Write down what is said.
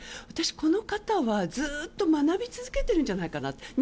私、この方はずっと学び続けてるんじゃないかなって。